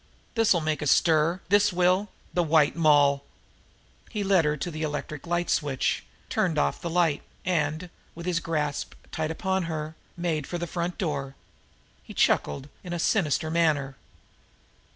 This'll make a stir, this will! The White Moll!" He led her to the electric light switch, turned off the light, and, with his grasp tight upon her, made for the front door. He chuckled in a sinister manner.